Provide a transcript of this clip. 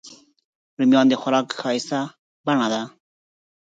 رومیان د خوراک ښایسته بڼه ده